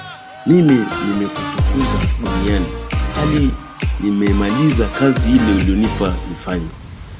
Mimi nimekutukuza duniani hali nimeimaliza kazi ile uliyonipa niifanye